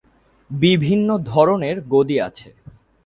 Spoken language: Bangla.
বিভিন্ন ধরনের গদি আছে।